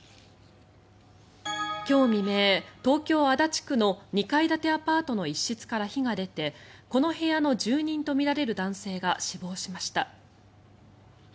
今日未明、東京・足立区の２階建てアパートの一室から火が出てこの部屋の住人とみられる男性が死亡しました。